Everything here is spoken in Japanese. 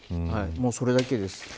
それだけです。